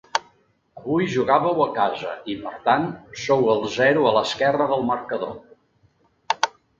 Avui jugàveu a casa i, per tant, sou el zero a l'esquerra del marcador.